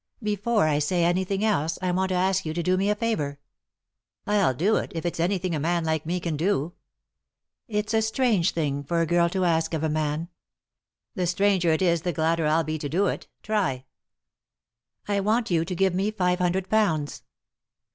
Before I say anything else, I want to ask you to do me a favour." " I'll do it, if it's anything a man like me can do." " It's a strange thing for a girl to ask of a man." "The stranger it is the gladder I'll be to do ft. Try!" '* I want you to give me five hundred pounds."